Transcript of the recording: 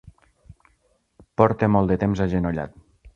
Porta molt de temps agenollat.